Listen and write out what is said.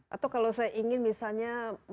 atau kalau saya ingin misalnya